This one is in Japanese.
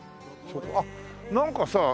あっなんかさ